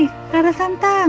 tak ada santan